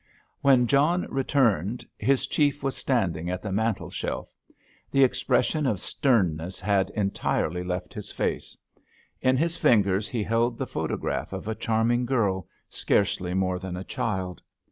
When John returned his Chief was standing at the mantelshelf. The expression of sternness had entirely left his face. In his fingers he held the photograph of a charming girl, scarcely more than a child.